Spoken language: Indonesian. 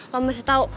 lo masih tau